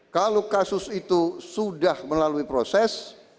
kalau kasus itu sudah melalui proses